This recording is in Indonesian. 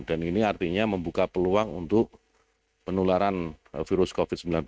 dan ini artinya membuka peluang untuk penularan virus covid sembilan belas